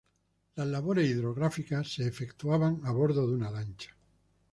Las labores hidrográficas se efectuaban a bordo de una lancha.